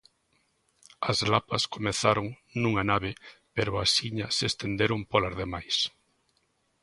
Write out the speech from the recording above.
As lapas comezaron nunha nave pero axiña se estenderon polas demais.